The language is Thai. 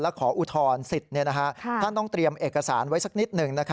และขออุทธรณ์สิทธิ์ท่านต้องเตรียมเอกสารไว้สักนิดหนึ่ง